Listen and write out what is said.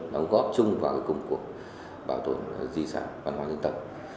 đóng góp chung vào công cuộc bảo tồn di sản văn hóa nhân tập